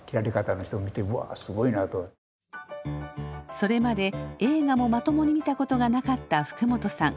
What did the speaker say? それまで映画もまともに見たことがなかった福本さん。